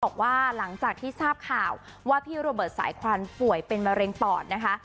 บอกว่าหลังจากที่ทราบข่าวว่าพี่โรเบิร์ตสายควันป่วยเป็นมะเร็งปอดนะคะ